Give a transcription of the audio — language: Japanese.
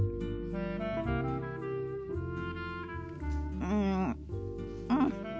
うんうん。